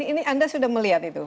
ini anda sudah melihat itu